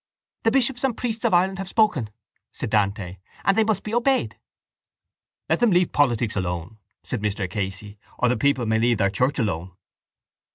—The bishops and priests of Ireland have spoken, said Dante, and they must be obeyed. —Let them leave politics alone, said Mr Casey, or the people may leave their church alone.